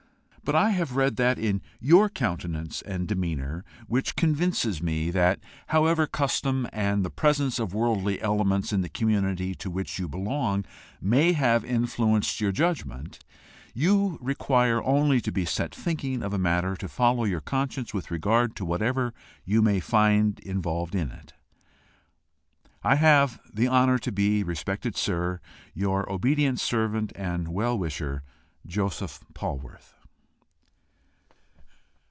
But I have read that in your countenance and demeanour which convinces me that, however custom and the presence of worldly elements in the community to which you belong may have influenced your judgment, you require only to be set thinking of a matter, to follow your conscience with regard to whatever you may find involved in it. I have the honour to be, respected sir, "Your obedient servant and well wisher, "Joseph Polwarth."